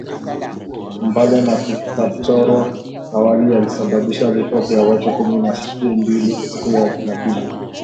Mbale na Kapchorwa awali yalisababisha vifo vya watu kumi siku ya Jumapili